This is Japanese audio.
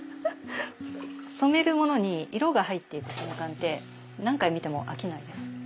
染めるものに色が入っていく瞬間って何回見ても飽きないです。